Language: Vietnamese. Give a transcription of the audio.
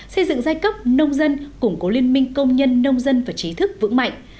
xây dựng giai cấp nông dân củng cố liên minh công nhân nông dân và trí thức vững mạnh